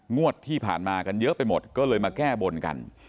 งวดที่ผ่านมากันเยอะไปหมดก็เลยมาแก้บนกัน